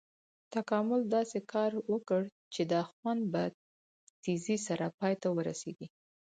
تکامل داسې کار وکړ چې دا خوند په تیزي سره پای ته ورسېږي.